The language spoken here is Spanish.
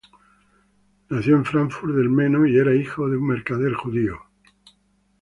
Nació en Fráncfort del Meno y era hijo de un mercader judío.